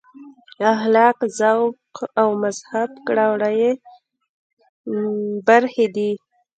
اخلاق ذوق او مهذب کړه وړه یې برخې دي.